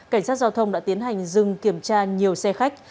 cảnh sát giao thông đã tiến hành dừng kiểm tra nhiều xe khách